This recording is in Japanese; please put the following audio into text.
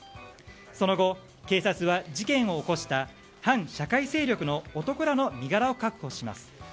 その後、警察は事件を起こした反社会勢力の男らの身柄を確保します。